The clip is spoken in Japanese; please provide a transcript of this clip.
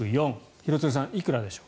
廣津留さん、いくらでしょう。